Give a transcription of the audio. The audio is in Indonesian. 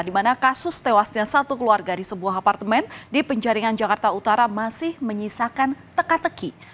di mana kasus tewasnya satu keluarga di sebuah apartemen di penjaringan jakarta utara masih menyisakan teka teki